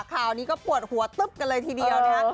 ข่าวนี้ก็ปวดหัวตึ๊บกันเลยทีเดียวนะครับ